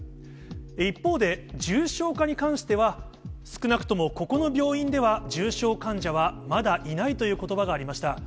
一方で、重症化に関しては、少なくともここの病院では、重症患者はまだいないということばがありました。